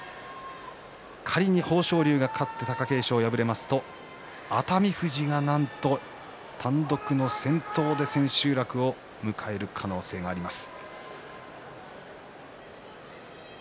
仮に豊昇龍が勝って貴景勝が敗れると熱海富士は、なんと単独の先頭で千秋楽を迎える可能性があります。